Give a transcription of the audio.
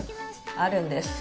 あるんです。